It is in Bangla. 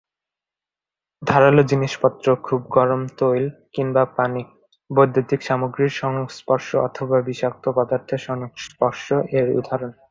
ধারালো জিনিসপত্র, খুব গরম তৈল কিংবা পানি, বৈদ্যুতিক সামগ্রীর সংস্পর্শ অথবা বিষাক্ত পদার্থের সংস্পর্শ এর উদাহরণ।